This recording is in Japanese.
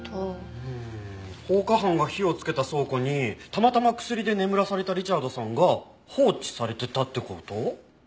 うん放火犯が火をつけた倉庫にたまたま薬で眠らされたリチャードさんが放置されてたって事？